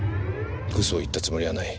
嘘を言ったつもりはない。